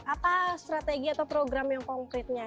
apa strategi atau program yang konkretnya